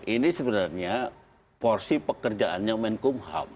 ini sebenarnya porsi pekerjaan yang menkumham